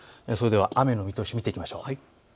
雨の見通しを見ていきましょう。